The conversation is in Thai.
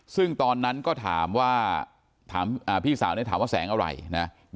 ซึ่งตอนนั้นก็ถามว่าพี่สาวเนี่ยถามว่าแสงอะไรนะ